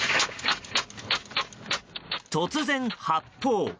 突然、発砲。